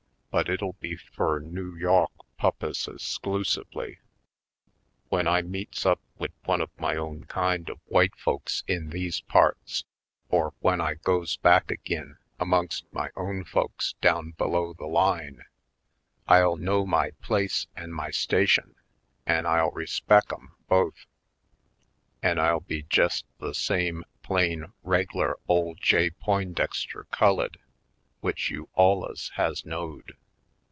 But it'll be fur Noo Yawk pu'pposes 'sclusively. Wen I meets up wid one of my own kind of w'ite folks in these Last Words 269 parts or w'en I goes back ag'in amongst my own folks down below the Line, I'll know my place an' my station an' I'll respec' 'em both; an' I'll be jest the same plain reg'lar ole J. Poindexter, Cullid, w'ich you alluz has knowed.